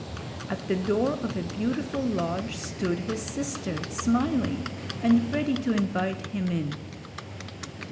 At the door of a beautiful lodge stood his sister, smiling, and ready to invite him in.